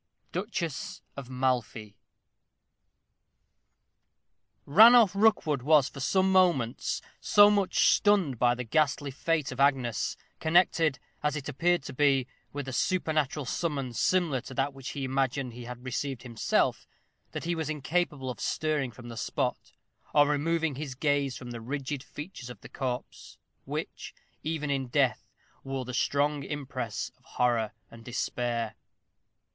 Duchess of Malfy. Ranulph Rookwood was for some moments so much stunned by the ghastly fate of Agnes, connected, as it appeared to be, with a supernatural summons similar to that which he imagined he had himself received, that he was incapable of stirring from the spot, or removing his gaze from the rigid features of the corpse, which, even in death, wore the strong impress of horror and despair.